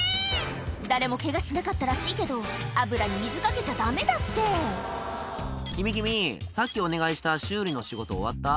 誰もケガしなかったらしいけど油に水かけちゃダメだって「君君さっきお願いした修理の仕事終わった？」